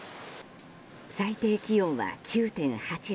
最低気温は９．８度。